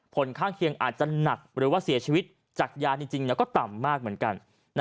ผลข้างเคียงอาจจะหนักหรือว่าเสียชีวิตจากยาจริงก็ต่ำมากเหมือนกัน